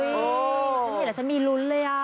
ฉันเห็นแล้วฉันมีลุ้นเลยอ่ะ